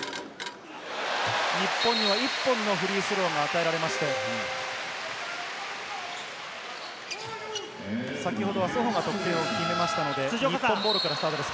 日本には１本のフリースローが与えられまして、先ほどはソホが得点を決めましたので、日本ボールからスタートです。